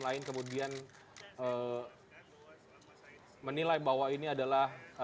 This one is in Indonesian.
lain kemudian menilai bahwa ini adalah